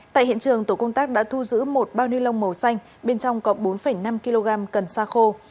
tại hiện trường tổ công tác đã thu giữ một bao ni lông màu xanh bên trong có bốn năm kg cần sa khô